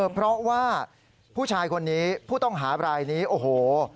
เพราะว่าผู้ชายคนนี้ผู้ต้องหาบรายนี้โอ้โห